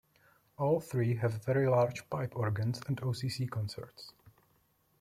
All three have very large pipe organs and occ concerts.